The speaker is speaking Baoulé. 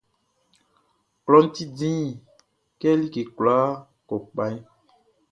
Klɔʼn ti dĩn kɛ like kwlaa kɔ kpaʼn.